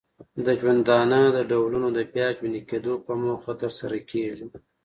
د ژوندانه د ډولونو د بیا ژوندې کیدو په موخه ترسره کیږي.